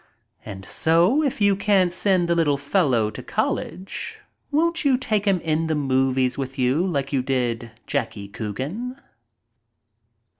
] And so if you can't send the little fellow to college won't you take him in the movies with you like you did Jackie Coogan?